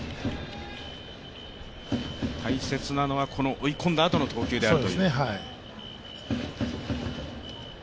大切なのはこの追い込んだあとの投球であると。